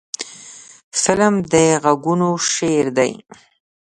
فلم د غږونو شعر دی